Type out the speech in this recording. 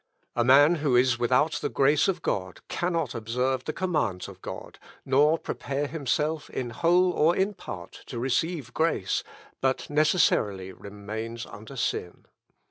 "A man who is without the grace of God cannot observe the commands of God, nor prepare himself, in whole or in part, to receive grace, but necessarily remains under sin.